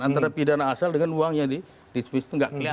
antara pidana asal dengan uangnya di swiss itu nggak kelihatan